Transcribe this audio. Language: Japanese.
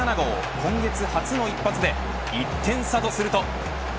今月初の一発で１点差とすると。